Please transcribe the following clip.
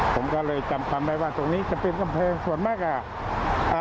ผมก็เลยจำความได้ว่าตรงนี้จะเป็นกำแพงส่วนมากอ่ะอ่า